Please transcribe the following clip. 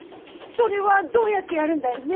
それはどうやってやるんだいね？